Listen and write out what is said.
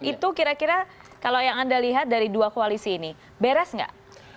itu kira kira kalau yang anda lihat dari dua koalisi ini beres nggak